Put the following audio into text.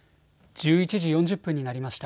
１１時４０分になりました。